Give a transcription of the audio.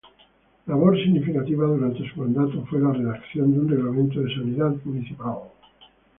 Labor significativa durante su mandato fue la redacción de un Reglamento de Sanidad Municipal.